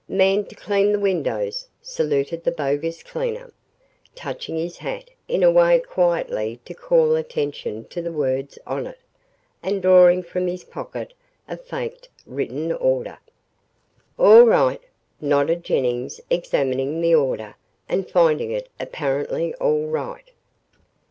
"Man to clean the windows," saluted the bogus cleaner, touching his hat in a way quietly to call attention to the words on it and drawing from his pocket a faked written order. "All right," nodded Jennings examining the order and finding it apparently all right.